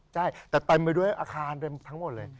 ใช่แต่ไปด้วยอาคารทั้งหมดเลย